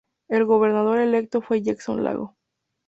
El gobernador electo fue Jackson Lago.